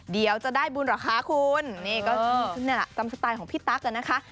เดี๋ยวจะได้บุญเหรอคะคุณนี่ก็นี่แหละจำสไตล์ของพี่ตั๊กอ่ะนะคะ